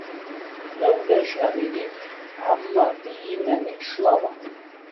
Ma ulac aɣilif ɛemmeṛ i yiman-ik claḍa.